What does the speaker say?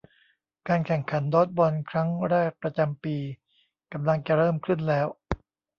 การแข่งขันดอดจ์บอลครั้งแรกประจำปีกำลังจะเริ่มขึ้นแล้ว